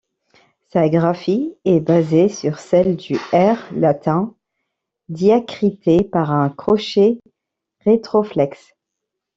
Sa graphie est basée sur celle du R latin, diacrité par un crochet rétroflexe.